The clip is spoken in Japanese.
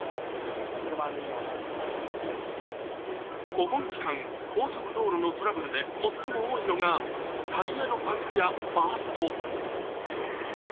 お盆期間、高速道路のトラブルで最も多いのがタイヤのパンクやバースト。